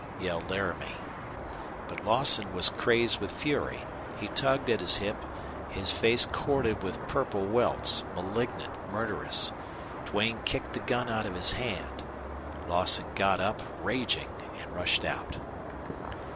yelled Laramie. But Lawson was crazed with fury. He tugged at his hip, his face corded with purple welts, malignant, murderous. Duane kicked the gun out of his hand. Lawson got up, raging, and rushed out.